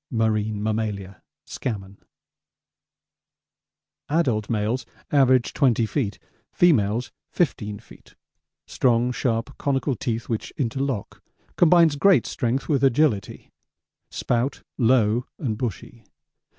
'Marine Mammalia' Scammon: Adult males average 20 feet; females 15 feet. Strong sharp conical teeth which interlock. Combines great strength with agility. Spout 'low and bushy.'